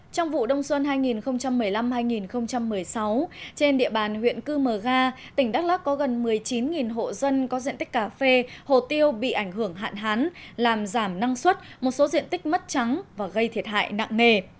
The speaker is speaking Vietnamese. trong vụ đông xuân hai nghìn một mươi năm hai nghìn một mươi sáu trên địa bàn huyện cư mờ ga tỉnh đắk lắc có gần một mươi chín hộ dân có diện tích cà phê hồ tiêu bị ảnh hưởng hạn hán làm giảm năng suất một số diện tích mất trắng và gây thiệt hại nặng nề